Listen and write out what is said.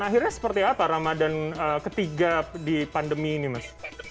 akhirnya seperti apa ramadan ketiga di pandemi ini mas